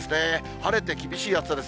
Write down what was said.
晴れて厳しい暑さです。